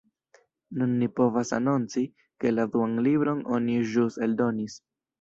Nun ni povas anonci, ke la duan libron oni ĵus eldonis.